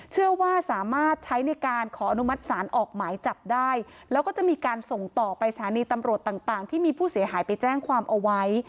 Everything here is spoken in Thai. เชื่อว่าสามารถใช้ในการขออนุมัติศาลออกหมายจับได้แล้วก็จะมีการส่งต่อไปสถานีตำรวจต่างต่างที่มีผู้เสียหายไปแจ้งความเอาไว้